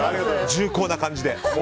重厚な感じで。